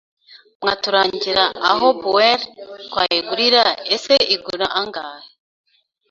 Mwaturangira aho beurre twayigurira ese igura angahe